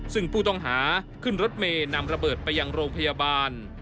ซึ่งผู้ต้องหาขึ้นรถเมย์นำระเบิดไปยังโรงพยาบาล